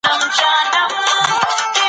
خپل بصیرت د تخلیقي ادب په شننه کي وکاروئ.